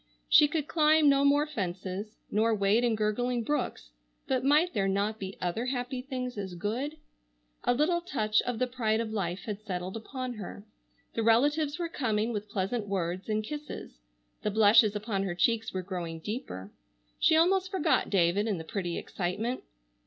She could climb no more fences nor wade in gurgling brooks, but might there not be other happy things as good? A little touch of the pride of life had settled upon her. The relatives were coming with pleasant words and kisses. The blushes upon her cheeks were growing deeper. She almost forgot David in the pretty excitement.